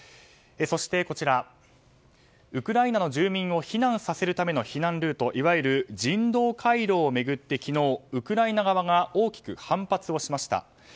そして、ウクライナの住民を避難させるための避難ルートいわゆる人道回廊を巡ってウクライナ側が大きく反発しました。